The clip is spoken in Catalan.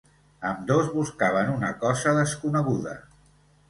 Ambdós buscaven una cosa desconeguda.